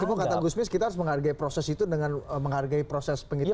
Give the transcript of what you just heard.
meskipun kata gusmis kita harus menghargai proses itu dengan menghargai proses penghitungan